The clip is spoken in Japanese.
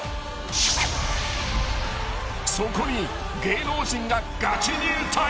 ［そこに芸能人ががち入隊］